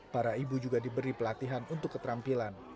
para ibu juga diberi pelatihan untuk keterampilan